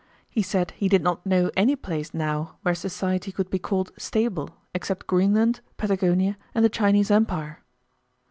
He said he did not know any place now where society could be called stable except Greenland, Patagonia, and the Chinese Empire."